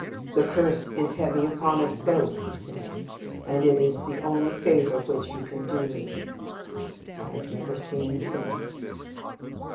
'The curse is heavy upon us both,' he said, 'and it is the only favor which you can do me.' I have never seen him since."